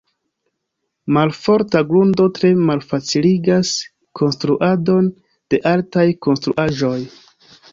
Malforta grundo tre malfaciligas konstruadon de altaj konstruaĵoj.